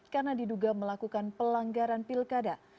karena diduga melakukan pelanggaran pilkada